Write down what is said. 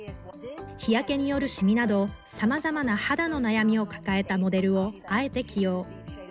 日焼けによるシミなど、さまざまな肌の悩みを抱えたモデルをあえて起用。